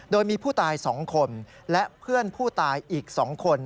โดยมีผู้ตาย๒คนและเพื่อนผู้ตายอีก๒คน